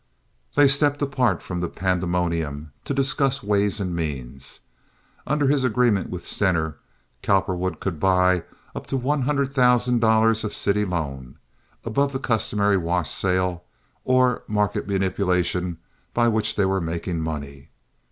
They stepped apart from the pandemonium, to discuss ways and means. Under his agreement with Stener, Cowperwood could buy up to one hundred thousand dollars of city loan, above the customary wash sales, or market manipulation, by which they were making money.